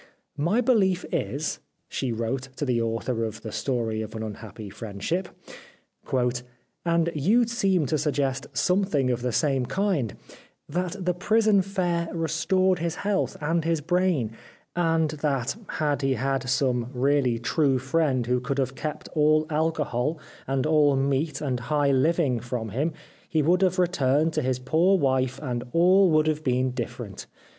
" My belief is," she wrote to the author of " The Story of an Unhappy Friendship" —" and you seem to suggest something of the same kind — that the prison fare restored his health and his brain, and that had he had some really true friend who could have kept all alcohol and all meat and high living from him he would have returned to his poor wife, and all would have been different.